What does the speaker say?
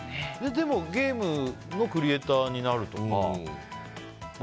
ゲームのクリエーターになるとか。